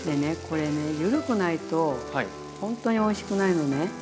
これねゆるくないとほんとにおいしくないのね。